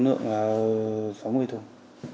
số lượng là sáu mươi thùng